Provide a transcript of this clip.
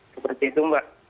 seperti itu mbak